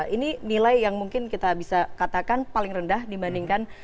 ini nilai yang mungkin kita bisa katakan paling rendah dibandingkan